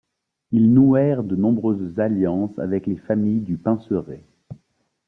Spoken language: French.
Ils nouèrent de nombreuses alliances avec les familles du Pincerais.